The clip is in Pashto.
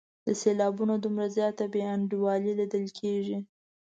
د سېلابونو دومره زیاته بې انډولي لیدل کیږي.